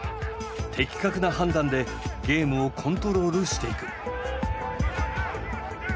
的確な判断でゲームをコントロールしていく。